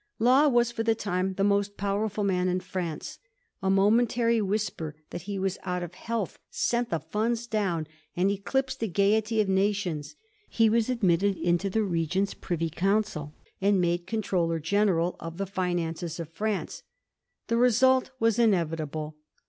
Law was for the time the most powerful man in France. A momentary whisper that he was out of health sent the funds down, and eclipsed the gaiety of nations. He was admitted into the Regent's privy council, and made Controller general of the finances of France. The result was inevitable.